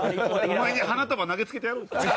お前に花束投げつけてやろうか？